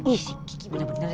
ih si kiki bener bener ya